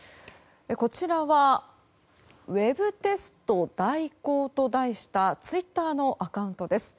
こちらはウェブテスト代行と題したツイッターのアカウントです。